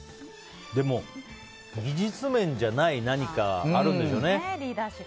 でも、技術面じゃない何かがあるんでしょうね。